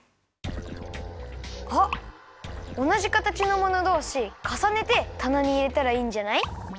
あっおなじ形のものどうしかさねてたなにいれたらいいんじゃない？